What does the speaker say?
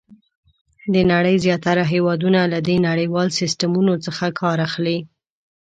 د نړۍ زیاتره هېوادونه له دې نړیوال سیسټمونو څخه کار اخلي.